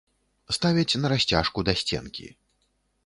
Ставяць на расцяжку да сценкі.